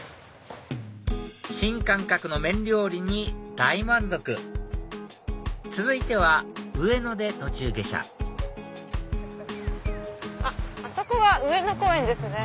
新感覚の麺料理に大満足続いては上野で途中下車あそこが上野公園ですね。